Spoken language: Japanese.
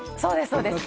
そうです